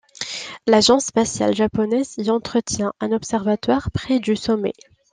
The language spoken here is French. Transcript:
L'Agence spatiale japonaise y entretient un observatoire près du sommet.